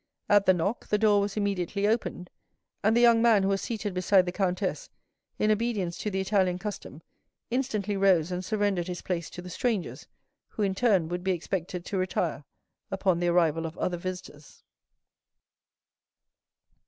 At the knock, the door was immediately opened, and the young man who was seated beside the countess, in obedience to the Italian custom, instantly rose and surrendered his place to the strangers, who, in turn, would be expected to retire upon the arrival of other visitors.